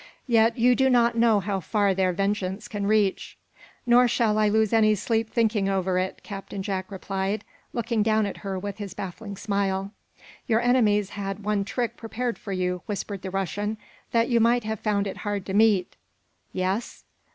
"Yet you do not know how far their vengeance can reach." "Nor shall I lose any sleep thinking over it," Captain Jack replied, looking down at her with his baffling smile. "Your enemies had one trick prepared for you," whispered the Russian, "that you might have found it hard to meet." "Yes?"